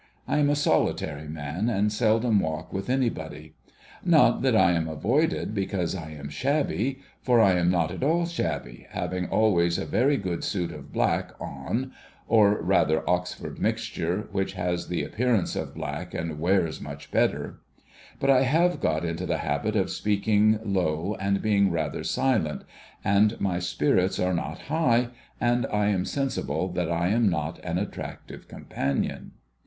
I am a solitary man, and seldom walk with anybody. Not that I am avoided because I am shabby ; for I am not at all shabby, having always a very good suit of black on (or rather Oxford mixture, which has the appearance of black and wears much better) ; but I have got into a habit of speaking low, and being rather silent, and my spirits are not high, and I am sensible that I am not an attractive companion.